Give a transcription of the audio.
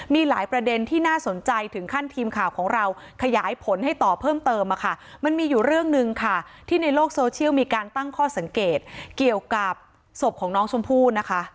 มีหลายประเด็นที่น่าสนใจถึงขั้นทีมข่าวของเราขยายผลให้ต่อเพิ่มเติมค่ะมันมีอยู่เรื่องหนึ่งค่ะที่ในโลกโซเชียลมีการตั้งข้อสังเกตเกี่ยวกับศพของน้องชมพู่นะคะ